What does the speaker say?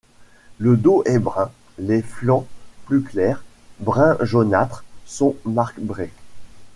Le dos est brun, les flancs, plus clairs, brun jaunâtre sont marbrés.